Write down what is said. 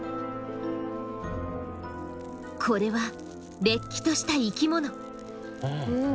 これはれっきとした生きもの。